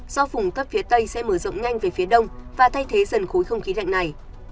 do vùng thấp phía tây sẽ mở rộng nhanh về phía đông và thay thế dần khối không khí lạnh này